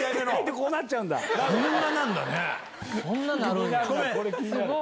こんなんなるんや。